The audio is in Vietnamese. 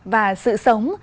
và sự sống